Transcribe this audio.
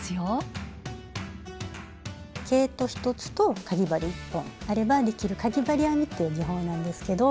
毛糸１つとかぎ針１本あればできるかぎ針編みっていう技法なんですけど。